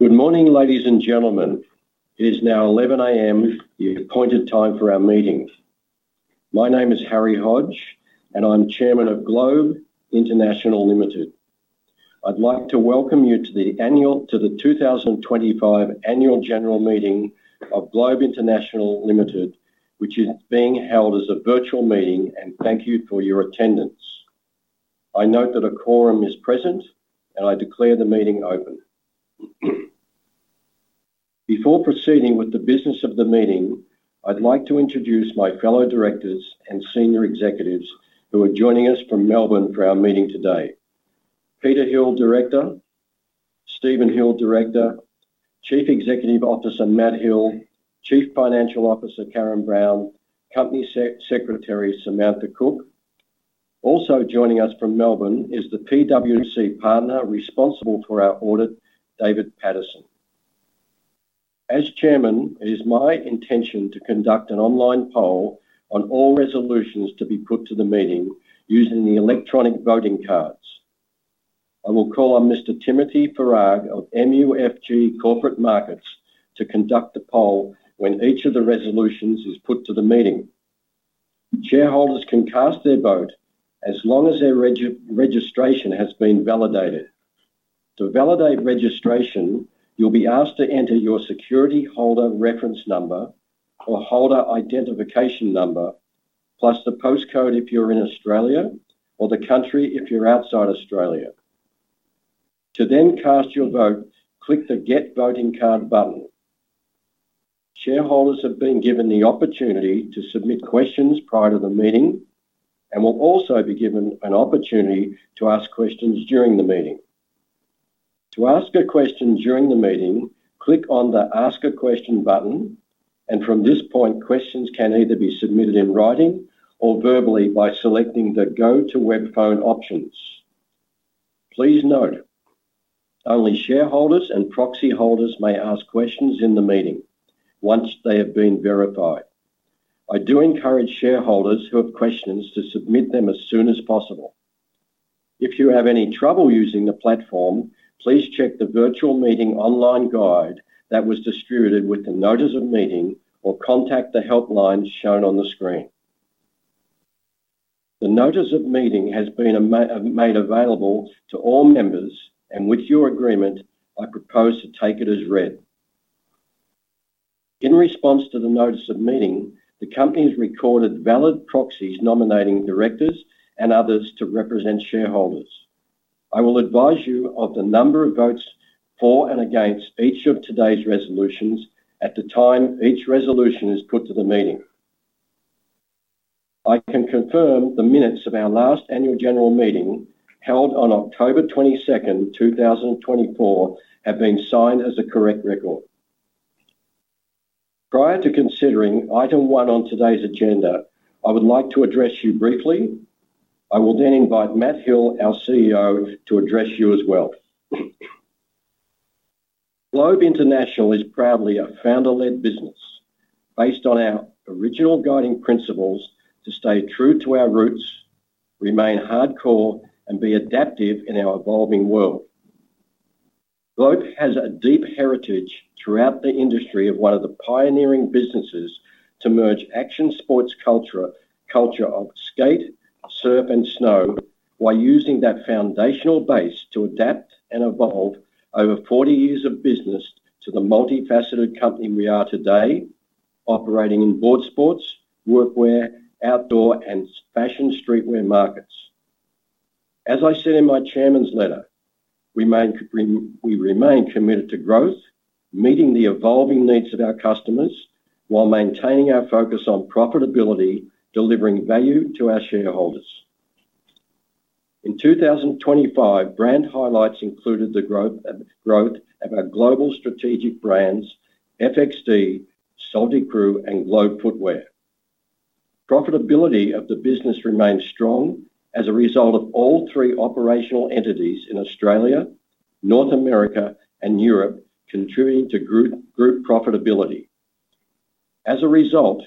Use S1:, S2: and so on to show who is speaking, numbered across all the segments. S1: Good morning, ladies and gentlemen. It is now 11:00 A.M., the appointed time for our meeting. My name is Harry Hodge, and I'm Chairman of Globe International Ltd. I'd like to welcome you to the 2025 Annual General Meeting of Globe International Ltd., which is being held as a virtual meeting, and thank you for your attendance. I note that a quorum is present, and I declare the meeting open. Before proceeding with the business of the meeting, I'd like to introduce my fellow Directors and senior executives who are joining us from Melbourne for our meeting today: Peter Hill, Director; Stephen Hill, Director; Chief Executive Officer, Matt Hill; Chief Financial Officer, Karen Brown; Company Secretary, Samantha Cook. Also joining us from Melbourne is the PwC partner responsible for our audit, David Paterson. As Chairman, it is my intention to conduct an online poll on all resolutions to be put to the meeting using the electronic voting cards. I will call on Mr. Timothy Farag of MUFG Corporate Markets to conduct the poll when each of the resolutions is put to the meeting. Shareholders can cast their vote as long as their registration has been validated. To validate registration, you'll be asked to enter your security holder reference number or holder identification number, plus the postcode if you're in Australia or the country if you're outside Australia. To then cast your vote, click the "Get Voting Card" button. Shareholders have been given the opportunity to submit questions prior to the meeting and will also be given an opportunity to ask questions during the meeting. To ask a question during the meeting, click on the "Ask a Question" button, and from this point, questions can either be submitted in writing or verbally by selecting the "Go to Web Phone" options. Please note, only shareholders and proxy holders may ask questions in the meeting once they have been verified. I do encourage shareholders who have questions to submit them as soon as possible. If you have any trouble using the platform, please check the virtual meeting online guide that was distributed with the notice of meeting or contact the helplines shown on the screen. The notice of meeting has been made available to all members, and with your agreement, I propose to take it as read. In response to the notice of meeting, the company has recorded valid proxies nominating Directors and others to represent shareholders. I will advise you of the number of votes for and against each of today's resolutions at the time each resolution is put to the meeting. I can confirm the minutes of our last Annual General Meeting held on October 22nd, 2024, have been signed as a correct record. Prior to considering item one on today's agenda, I would like to address you briefly. I will then invite Matt Hill, our CEO, to address you as well. Globe International is proudly a founder-led business based on our original guiding principles to stay true to our roots, remain hardcore, and be adaptive in our evolving world. Globe has a deep heritage throughout the industry as one of the pioneering businesses to merge action sports culture, culture of skate, surf, and snow, while using that foundational base to adapt and evolve over 40 years of business to the multifaceted company we are today, operating in board sports, workwear, outdoor, and fashion streetwear markets. As I said in my Chairman's letter, we remain committed to growth, meeting the evolving needs of our customers while maintaining our focus on profitability, delivering value to our shareholders. In 2025, brand highlights included the growth of our global strategic brands, FXD, Salty Crew, and Globe Footwear. Profitability of the business remains strong as a result of all three operational entities in Australia, North America, and Europe contributing to group profitability. As a result,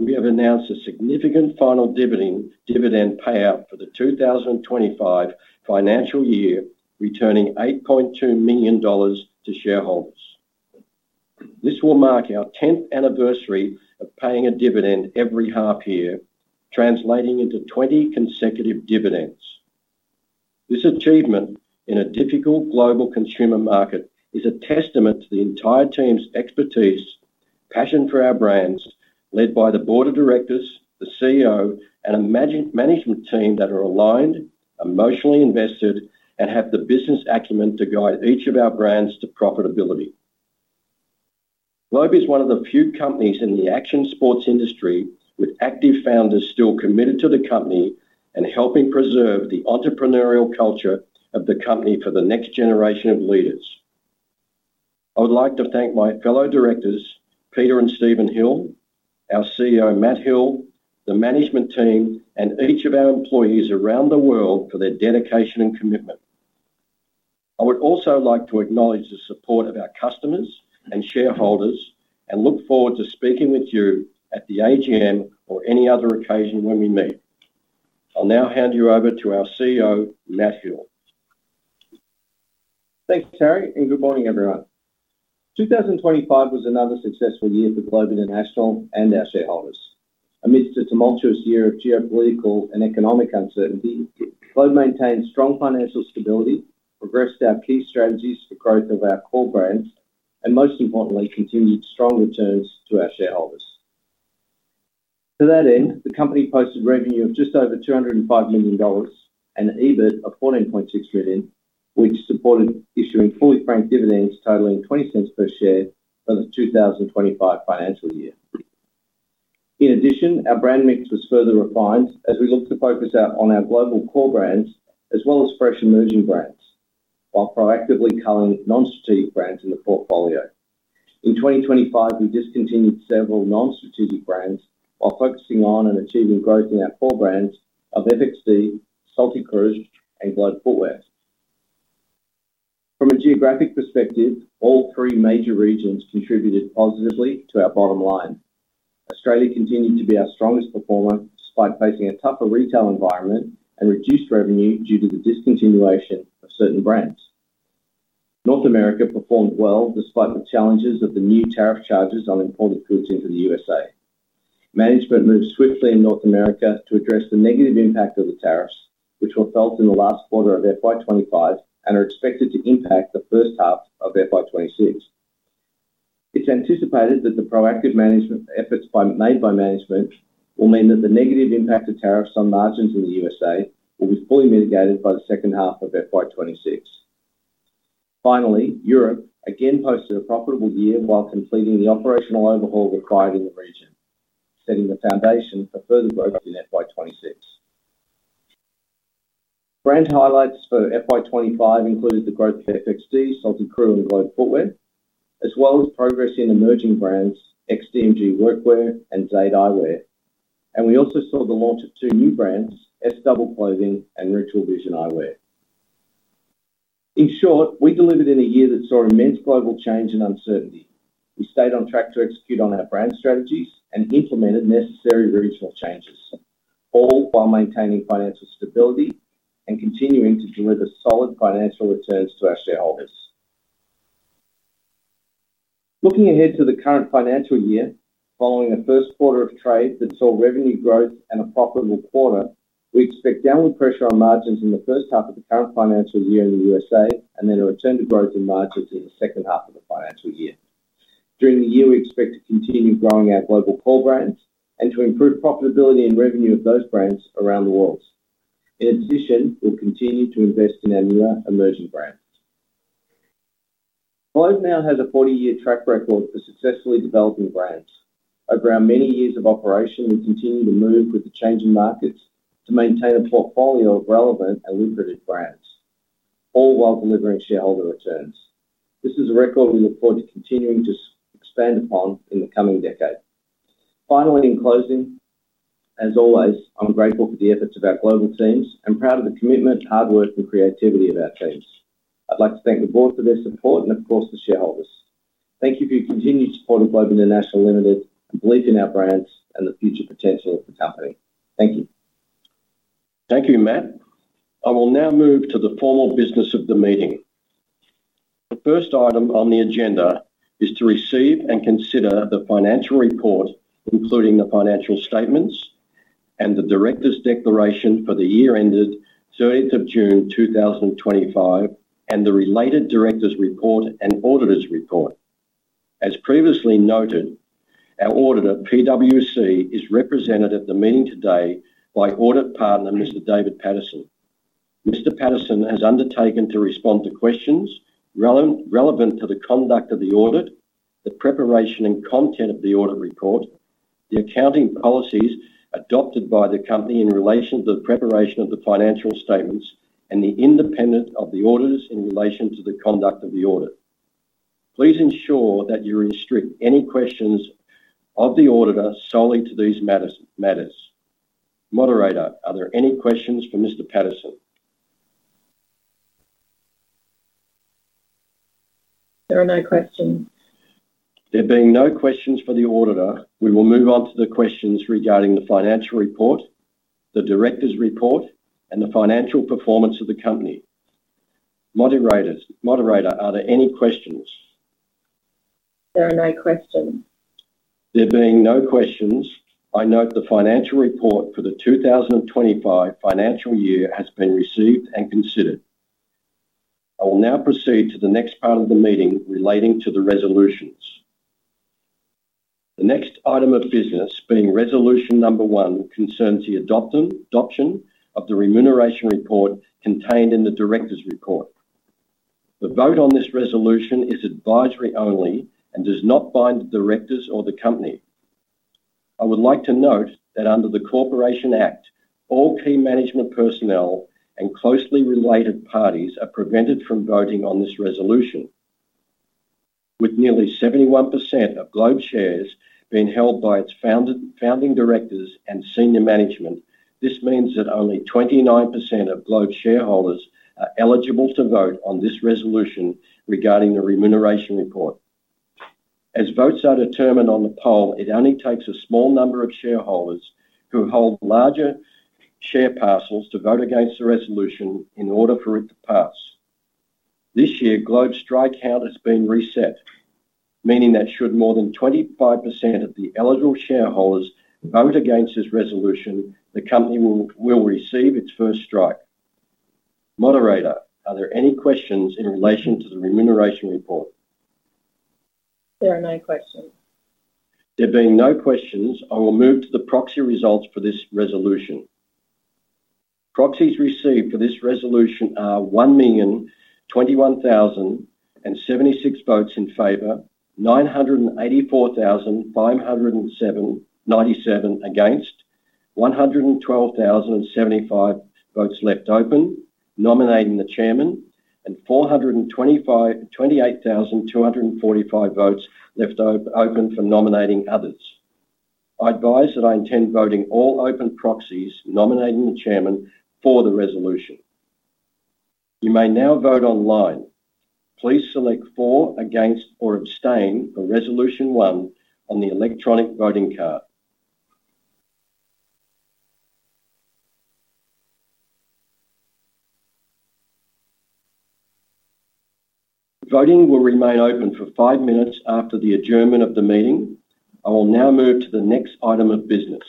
S1: we have announced a significant final dividend payout for the 2025 financial year, returning $8.2 million to shareholders. This will mark our 10th anniversary of paying a dividend every half year, translating into 20 consecutive dividends. This achievement in a difficult global consumer market is a testament to the entire team's expertise, passion for our brands, led by the Board of Directors, the CEO, and a management team that are aligned, emotionally invested, and have the business acumen to guide each of our brands to profitability. Globe is one of the few companies in the action sports industry with active founders still committed to the company and helping preserve the entrepreneurial culture of the company for the next generation of leaders. I would like to thank my fellow directors, Peter and Stephen Hill, our CEO, Matt Hill, the management team, and each of our employees around the world for their dedication and commitment. I would also like to acknowledge the support of our customers and shareholders and look forward to speaking with you at the AGM or any other occasion when we meet. I'll now hand you over to our CEO, Matt Hill.
S2: Thanks, Harry, and good morning, everyone. 2025 was another successful year for Globe International and our shareholders. Amidst a tumultuous year of geopolitical and economic uncertainty, Globe maintained strong financial stability, progressed our key strategies for growth of our core brands, and most importantly, continued strong returns to our shareholders. To that end, the company posted revenue of just over $205 million and an EBIT of $14.6 million, which supported issuing fully franked dividends totaling $0.20 per share for the 2025 financial year. In addition, our brand mix was further refined as we looked to focus on our global core brands as well as fresh emerging brands, while proactively culling non-strategic brands in the portfolio. In 2025, we discontinued several non-strategic brands while focusing on and achieving growth in our core brands of FXD, Salty Crew, and Globe Footwear. From a geographic perspective, all three major regions contributed positively to our bottom line. Australia continued to be our strongest performer despite facing a tougher retail environment and reduced revenue due to the discontinuation of certain brands. North America performed well despite the challenges of the new tariff charges on imported goods into the U.S.A. Management moved swiftly in North America to address the negative impact of the tariffs, which were felt in the last quarter of FY 2025 and are expected to impact the first half of FY 2026. It is anticipated that the proactive management efforts made by management will mean that the negative impact of tariffs on margins in the U.S.A. will be fully mitigated by the second half of FY 2026. Finally, Europe again posted a profitable year while completing the operational overhaul required in the region, setting the foundation for further growth in FY 2026. Brand highlights for FY 2025 included the growth of FXD, Salty Crew, and Globe Footwear, as well as progress in emerging brands, XDMG Workwear, and Zayed Eyewear. We also saw the launch of two new brands, S Double Clothing and Ritual Vision Eyewear. In short, we delivered in a year that saw immense global change and uncertainty. We stayed on track to execute on our brand strategies and implemented necessary regional changes, all while maintaining financial stability and continuing to deliver solid financial returns to our shareholders. Looking ahead to the current financial year, following the first quarter of trade that saw revenue growth and a profitable quarter, we expect downward pressure on margins in the first half of the current financial year in the U.S.A. and then a return to growth in margins in the second half of the financial year. During the year, we expect to continue growing our global core brands and to improve profitability and revenue of those brands around the world. In addition, we'll continue to invest in our newer emerging brands. Globe now has a 40-year track record for successfully developing brands. Over our many years of operation, we continue to move with the changing markets to maintain a portfolio of relevant and lucrative brands, all while delivering shareholder returns. This is a record we look forward to continuing to expand upon in the coming decade. Finally, in closing, as always, I'm grateful for the efforts of our global teams and proud of the commitment, hard work, and creativity of our teams. I'd like to thank the Board for their support and, of course, the shareholders. Thank you for your continued support of Globe International and belief in our brands and the future potential of the company. Thank you.
S1: Thank you, Matt. I will now move to the formal business of the meeting. The first item on the agenda is to receive and consider the financial report, including the financial statements and the Directors' Declaration for the year ended 30 June 2025, and the related Directors' Report and Auditor's Report. As previously noted, our auditor, PwC, is represented at the meeting today by Audit Partner, Mr. David Paterson. Mr. Paterson has undertaken to respond to questions relevant to the conduct of the audit, the preparation and content of the Audit Report, the accounting policies adopted by the company in relation to the preparation of the financial statements, and the independence of the auditors in relation to the conduct of the audit. Please ensure that you restrict any questions of the auditor solely to these matters. Moderator, are there any questions for Mr. Paterson?
S3: There are no questions.
S1: There being no questions for the auditor, we will move on to the questions regarding the financial report, the Directors' Report, and the financial performance of the company. Moderator, are there any questions?
S3: There are no questions.
S1: There being no questions, I note the financial report for the 2025 financial year has been received and considered. I will now proceed to the next part of the meeting relating to the resolutions. The next item of business, being resolution number one, concerns the adoption of the remuneration report contained in the directors' report. The vote on this resolution is advisory only and does not bind the directors or the company. I would like to note that under the Corporations Act, all key management personnel and closely related parties are prevented from voting on this resolution. With nearly 71% of Globe shares being held by its founding directors and senior management, this means that only 29% of Globe shareholders are eligible to vote on this resolution regarding the remuneration report. As votes are determined on the poll, it only takes a small number of shareholders who hold larger share parcels to vote against the resolution in order for it to pass. This year, Globe's strike count has been reset, meaning that should more than 25% of the eligible shareholders vote against this resolution, the company will receive its first strike. Moderator, are there any questions in relation to the remuneration report?
S3: There are no questions.
S1: There being no questions, I will move to the proxy results for this resolution. Proxies received for this resolution are 1,021,076 votes in favor, 984,507 votes against, 112,075 votes left open, nominating the Chairman, and 420,245 votes left open for nominating others. I advise that I intend voting all open proxies, nominating the Chairman for the resolution. You may now vote online. Please select for, against, or abstain for resolution one on the electronic voting card. Voting will remain open for five minutes after the adjournment of the meeting. I will now move to the next item of business.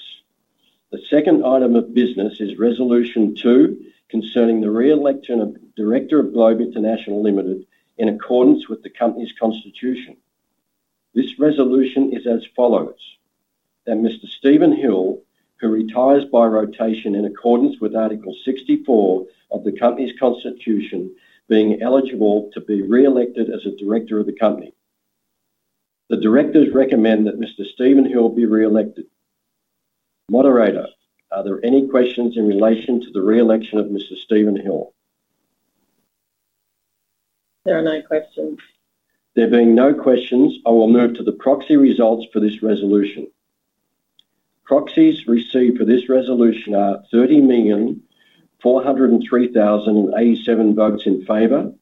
S1: The second item of business is resolution two concerning the reelection of Director of Globe International Ltd. in accordance with the company's Constitution. This resolution is as follows: that Mr. Stephen Hill, who retires by rotation in accordance with Article 64 of the company's Constitution, be eligible to be reelected as a director of the company. The directors recommend that Mr. Stephen Hill be reelected. Moderator, are there any questions in relation to the reelection of Mr. Stephen Hill?
S3: There are no questions.
S1: There being no questions, I will move to the proxy results for this resolution. Proxies received for this resolution are 30,403,087 votes in favor,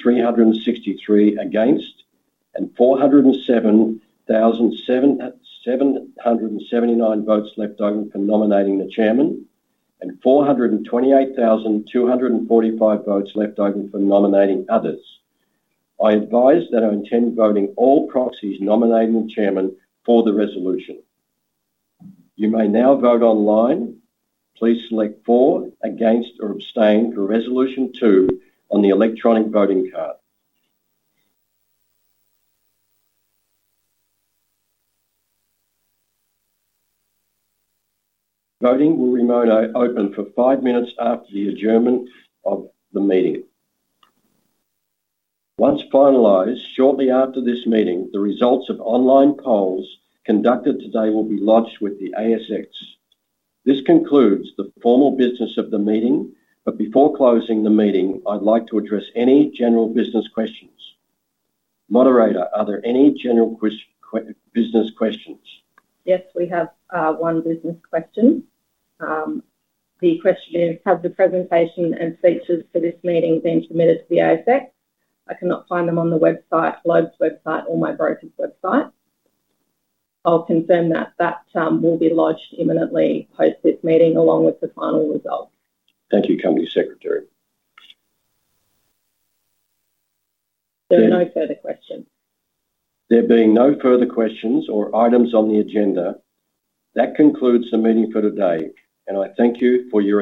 S1: 966,363 against, and 407,779 votes left open for nominating the Chairman, and 428,245 votes left open for nominating others. I advise that I intend voting all proxies, nominating the Chairman for the resolution. You may now vote online. Please select for, against, or abstain for resolution two on the electronic voting card. Voting will remain open for five minutes after the adjournment of the meeting. Once finalized, shortly after this meeting, the results of online polls conducted today will be lodged with the ASX. This concludes the formal business of the meeting, but before closing the meeting, I'd like to address any general business questions. Moderator, are there any general business questions?
S3: Yes, we have one business question. The question is, have the presentation and features for this meeting been submitted to the ASX? I cannot find them on the website, Globe's website, or my broker's website. I'll confirm that that will be lodged imminently post this meeting along with the final results.
S1: Thank you, Company Secretary.
S3: There are no further questions.
S1: There being no further questions or items on the agenda, that concludes the meeting for today, and I thank you for your time.